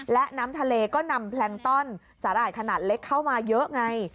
และน้ำทะเลก็นำแพลงต้อนสาหร่ายขนาดเล็กเข้ามาเยอะไง